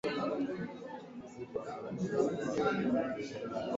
Armadale has four platforms.